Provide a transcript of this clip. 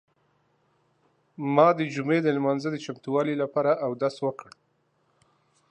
ما د جمعې د لمانځه د چمتووالي لپاره اودس وکړ.